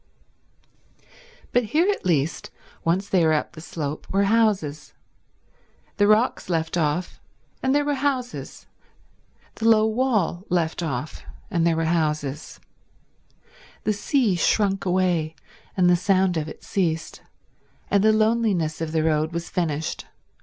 But here at least, once they were up the slope, were houses. The rocks left off, and there were houses; the low wall left off, and there were houses; the sea shrunk away, and the sound of it ceased, and the loneliness of the road was finished.